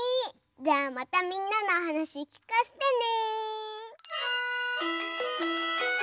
じゃあまたみんなのはなしきかせてね！